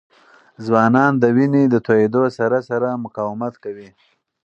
ځوانان د وینې د تویېدو سره سره مقاومت کوي.